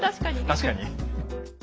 確かに。